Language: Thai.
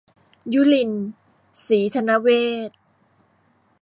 ยุลิน ศรีธนะเวทย์